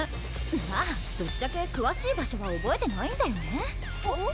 まぁぶっちゃけくわしい場所はおぼえてないんだよねえっ？